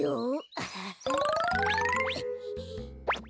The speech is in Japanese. アハハ。